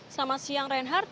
selamat siang reinhardt